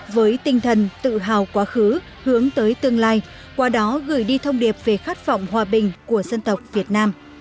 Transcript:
với tinh thần tự hào quá khứ hướng tới tương lai qua đó gửi đi thông điệp về khát vọng hòa bình của dân tộc việt nam